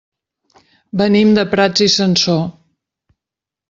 Venim de Prats i Sansor.